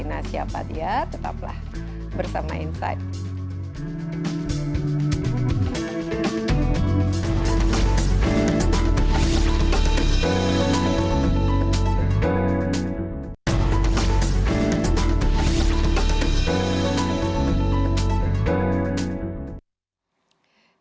nah siapa dia tetaplah bersama insight